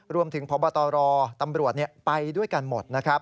รวมถึงพบตรตำรวจไปด้วยกันหมด